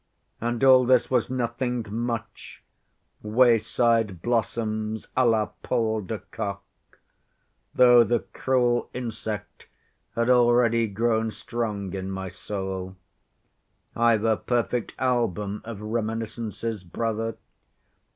And all this was nothing much—wayside blossoms à la Paul de Kock—though the cruel insect had already grown strong in my soul. I've a perfect album of reminiscences, brother.